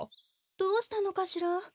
どうしたのかしら？